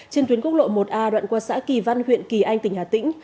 trên tuyến quốc lộ một a đoạn qua xã kỳ văn huyện kỳ anh tỉnh hà tĩnh